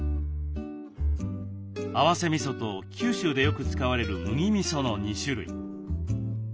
合わせみそと九州でよく使われる麦みその２種類。